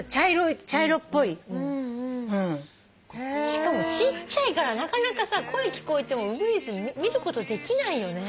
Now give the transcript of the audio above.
しかもちっちゃいからなかなか声聞こえてもウグイス見ることできないよね。